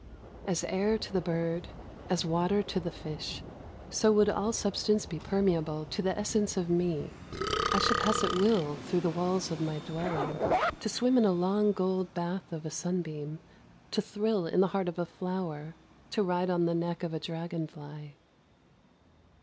As air to the bird, as water to the fish, so would all substance be permeable to the essence of me. I should pass at will through the walls of my dwelling to swim in the long gold bath of a sunbeam, to thrill in the heart of a flower, to ride on the neck of a dragon fly.